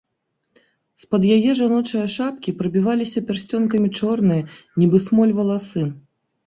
З-пад яе жаночае шапкі прабіваліся пярсцёнкамі чорныя, нібы смоль, валасы.